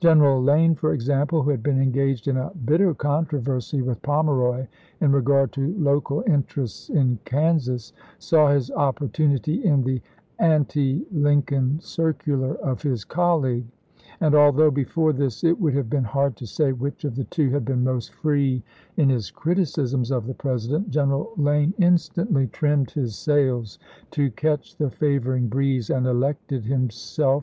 General Lane, for example, who had been engaged in a bit ter controversy with Pomeroy in regard to local interests in Kansas, saw his opportunity in the anti Lincoln circular of his colleague ; and although before this it would have been hard to say which of the two had been most free in his criticisms of the President, General Lane instantly trimmed his sails to catch the favoring breeze and elected himself 62 ABRAHAM LINCOLN chap. m.